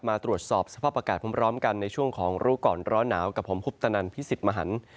มาตรวจสอบสภาพอากาศพร้อมกันในช่วงของรู้ก่อนร้อนหนาวกับผมคุปตนันพิสิทธิ์มหัน